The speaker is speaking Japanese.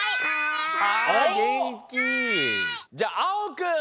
じゃああおくん！